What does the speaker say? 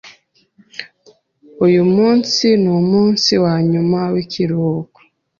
Uyu munsi numunsi wanyuma wikiruhuko.